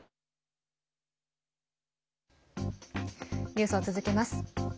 ニュースを続けます。